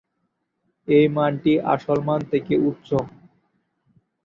এই মানটি আসল মান থেকে উচ্চ।